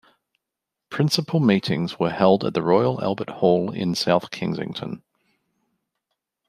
Principal meetings were held at the Royal Albert Hall in South Kensington.